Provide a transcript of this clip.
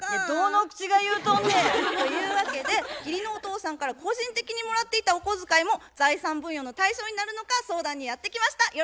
どの口が言うとんねん。というわけで義理のお父さんから個人的にもらっていたお小遣いも財産分与の対象になるのか相談にやって来ました。